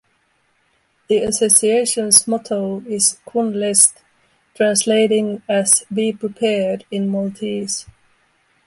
The Association's motto is "Kun Lest", translating as "Be Prepared" in Maltese.